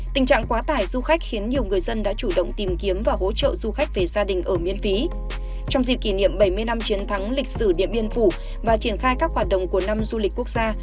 trong dịp kỷ niệm bảy mươi năm chiến thắng lịch sử điện biên phủ và triển khai các hoạt động của năm du lịch quốc gia